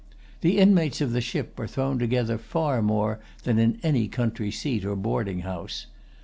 The inmates of the ship are thrown together far more than in any country seat or boarding house.